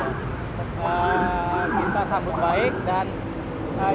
ya kita sambut baik dan yang lebih membanggakan kali ini sepeda ngerasa terhutang oleh